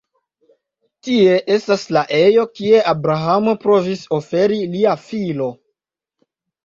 Tie estas la ejo kie Abrahamo provis oferi lia filo.